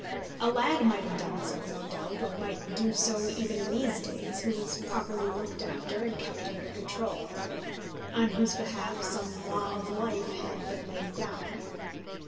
A lad might have done so, no doubt, or might do so even in these days, who was properly looked after and kept under control, on whose behalf some law of life had been laid down.